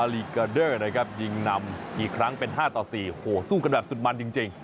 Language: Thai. ลีเกอร์เดอร์นะครับยิงนำอีกครั้งเป็น๕ต่อ๔โหสู้กันแบบสุดมันจริง